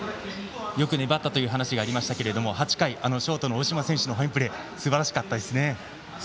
よく粘ったという話がありましたが８回、あのショートの大島選手のファインプレーすばらしかったですね。